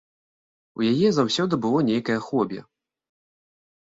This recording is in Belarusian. У яе заўсёды было нейкае хобі.